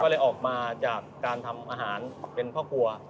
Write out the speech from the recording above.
ก็เลยออกมาจากการทำอาหารเป็นพ่อครัว